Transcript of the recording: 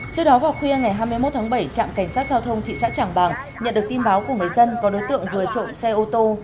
trước đó vào khuya ngày hai mươi một tháng bảy trạm cảnh sát giao thông thị xã trảng bàng nhận được tin báo của người dân có đối tượng vừa trộm xe ô tô